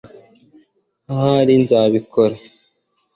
ahari nzabikora